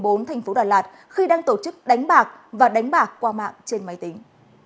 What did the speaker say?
công an thành phố đà lạt đang tổ chức đánh bạc và đánh bạc qua mạng trên máy tính